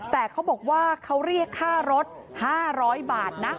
แต่เขาบอกว่าเขาเรียกค่ารถ๕๐๐บาทนะ